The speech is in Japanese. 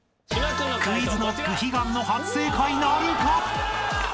［ＱｕｉｚＫｎｏｃｋ悲願の初正解なるか！？］